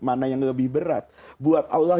mana yang lebih berat buat allah